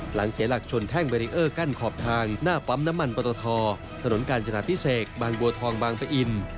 เสียหลักชนแท่งเบรีเออร์กั้นขอบทางหน้าปั๊มน้ำมันปรตทถนนกาญจนาพิเศษบางบัวทองบางปะอิน